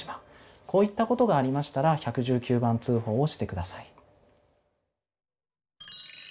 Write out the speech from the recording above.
こういったことがありましたら１１９番通報をしてください。